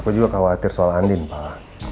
aku juga khawatir soal andin pak